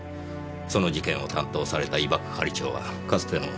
その事件を担当された伊庭係長はかつての上司に当たります。